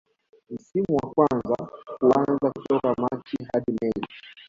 Msimu wa kwanza huanza kutoka Machi hadi mei